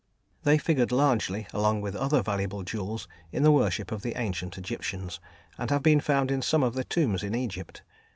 They figured largely, along with other valuable jewels, in the worship of the ancient Egyptians, and have been found in some of the tombs in Egypt.